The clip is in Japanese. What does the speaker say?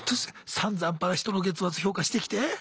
さんざんぱら人の月末評価してきて。